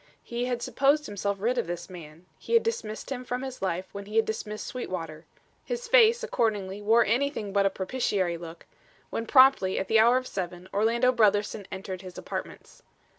He had supposed himself rid of this man. He had dismissed him from his life when he had dismissed Sweetwater. His face, accordingly, wore anything but a propitiatory look, when promptly at the hour of seven, Orlando Brotherson entered his apartments.